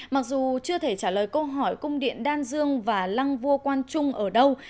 mặc dù chưa thể trả lời câu hỏi cung điện đan dương và lăng vua quan trung ở đâu